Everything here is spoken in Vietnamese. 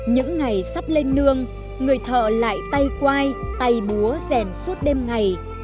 những ngày sắp lên nương người thợ lại tay quai tay búa rèn suốt đêm ngày